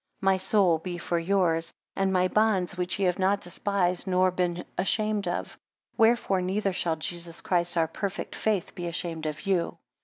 13 My soul be for yours, and my bonds which ye have not despised, nor been ashamed of. Wherefore neither shall. Jesus Christ, our perfect faith, be ashamed of you.